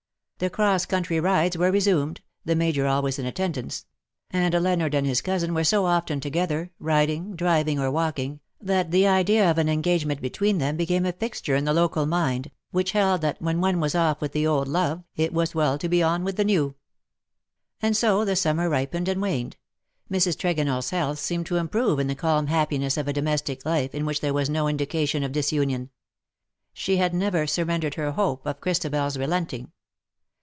The cross country rides were resumed, the Major always in attendance ; and Leonard and his cousin were seen so often together, riding, driving, or walking, that the idea of an engagement between them became a fixture in the local mind, which held that when one was off with the old love it was well to be on with the new. i2 ]16 "that lip and voice And so the summer ripened and waned. Mrs. TregonelPs health seemed to improve in the calm happiness of a domestic life in which there was no indication of disunion. She had never surrendered her hope of ChristabeFs relenting.